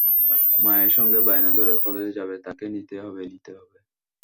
মায়ের সঙ্গে বায়না ধরে কলেজে যাবে, তাকে নিতেই হবে, নিতেই হবে।